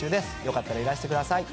よかったらいらしてください。